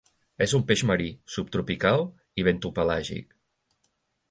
És un peix marí, subtropical i bentopelàgic.